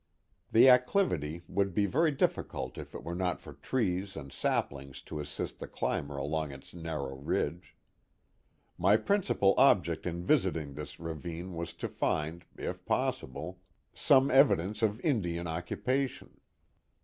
The acclivity would be very difficult if it were not for trees and saplings to assist the climber along its narrow ridge. My principle object in visiting this ravine was to find, if possible. Old Indian Names and Sites 359 some evidence of Indian occupation.